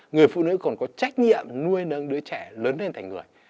người phụ nữ còn có trách nhiệm nuôi nâng đứa trẻ lớn lên thành người